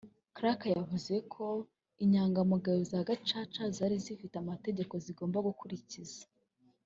Clark yavuze ko Inyangamugayo za Gacaca zari zifite amategeko zigomba gukurikiza